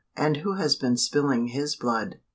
and who has been spilling his blood?"